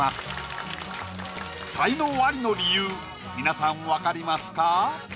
才能アリの理由皆さん分かりますか？